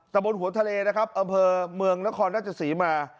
บนหัวทะเลนะครับอำเภอเมืองนครราชศรีมา